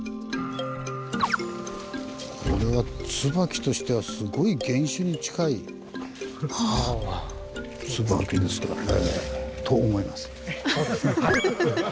これはツバキとしてはすごい原種に近いツバキですかね。と思います。